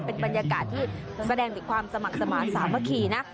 เป็นบรรยากาศที่แสดงถึงความสมัครสมาธิสามัคคีนะ